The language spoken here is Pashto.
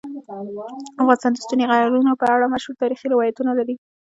افغانستان د ستوني غرونه په اړه مشهور تاریخی روایتونه لري.